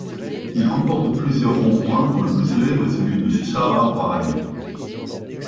Il comporte plusieurs ronds-points dont le plus célèbre est celui de Chahar Bagh.